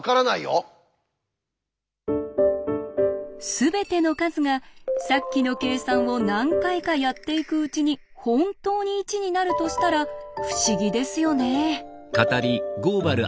すべての数がさっきの計算を何回かやっていくうちに本当に１になるとしたら不思議ですよね。